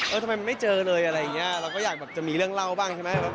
ทำไมมันไม่เจอเลยอะไรอย่างเงี้ยเราก็อยากแบบจะมีเรื่องเล่าบ้างใช่ไหม